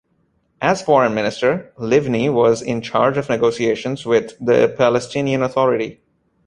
As Foreign Minister, Livni was in charge of negotiations with the Palestinian Authority.